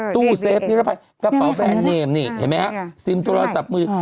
ตู้เซฟนิรัติภัยกระเป๋าแบรนด์เนมซิมโทรศัพท์มือ